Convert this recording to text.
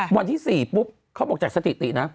วันที่๔ปุ๊บเขาบอกจากสถิตินะ